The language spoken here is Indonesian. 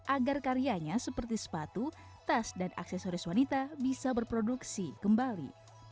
agar karyanya seperti sepatu tas dan aksesoris wanita bisa berproduksi kembali